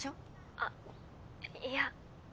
あっいや。